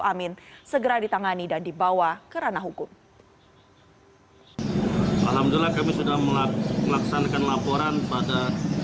amin segera ditangani dan dibawa kerana hukum hai alhamdulillah kami sudah melaksanakan laporan pada